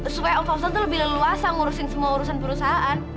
supaya om fauzon tuh lebih leluasa ngurusin semua urusan perusahaan